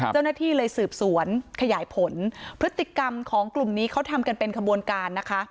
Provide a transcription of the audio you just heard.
เจ้าหน้าที่เลยสืบสวนขยายผลพฤติกรรมของกลุ่มนี้เขาทำกันเป็นขบวนการนะคะ